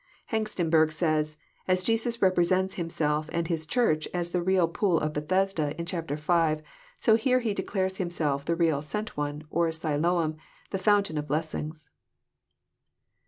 Hengstenberg says :" As Jesus represents Himself and His Church as the real Pool of Bethesda, in chap, v., so here He declares Himself the real Sent One, or Siloam, the Fountain of blessings."